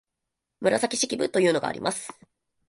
「紫式部日記」というのがあります